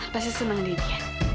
pasti senang diri ya